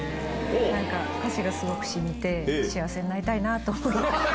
なんか、歌詞がすごくしみて、幸せになりたいなと思って。